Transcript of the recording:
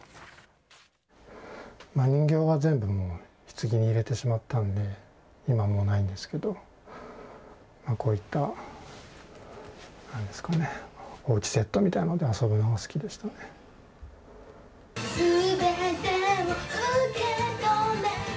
人形は全部もうひつぎに入れてしまったんで、今はもうないんですけど、こういった、なんですかね、おうちセットみたいので遊ぶのが好きでしたね。